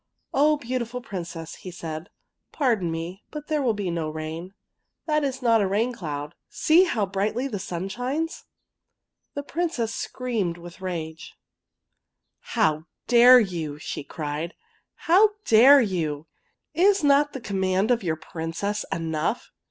" Oh, beautiful Princess," he said, " pardon me, but there will be no rain. That is not a rain cloud. See how brightly the sun shines! " The Princess screamed with rage. 164 THE POPPY " How dare you? " she cried. " How dare you? Is not the conimand of your Princess enough?